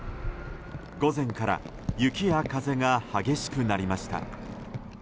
午前から雪や風が激しくなりました。